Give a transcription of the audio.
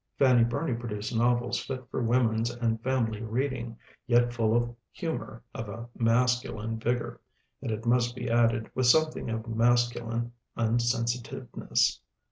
Fanny Burney produced novels fit for women's and family reading, yet full of humor of a masculine vigor and it must be added, with something of masculine unsensitiveness.